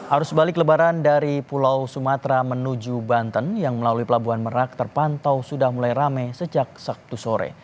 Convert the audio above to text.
arus balik lebaran dari pulau sumatera menuju banten yang melalui pelabuhan merak terpantau sudah mulai rame sejak sabtu sore